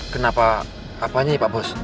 kenapa apanya pak bos